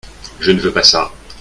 Je ne veux pas ça.